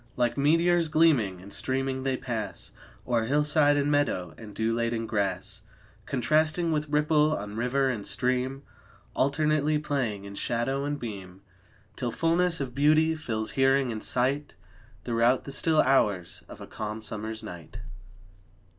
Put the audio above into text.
Like meteors, gleaming and streaming, they pass O'er hillside and meadow, and dew laden grass, Contrasting with ripple on river and stream, Alternately playing in shadow and beam, Till fullness of beauty fills hearing and sight Throughout the still hours of a calm summer's night.